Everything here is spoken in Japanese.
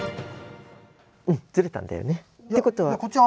うんずれたんだよねってことは。